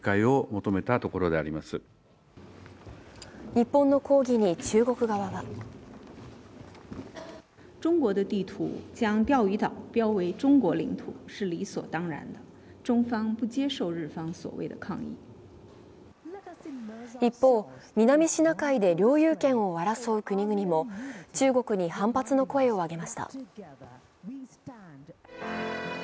日本の抗議に中国側は一方、南シナ海で領有権を争う国々も中国に反発の声を上げました。